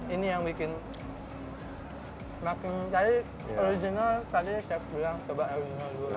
ini yang bikin makin tadi original tadi chef bilang coba original dulu